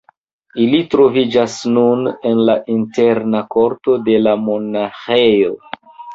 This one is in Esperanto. Ili troviĝas nun en la interna korto de la monaĥejo.